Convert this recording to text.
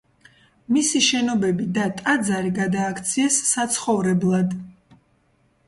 მისი შენობები და ტაძარი გადააქციეს საცხოვრებლად.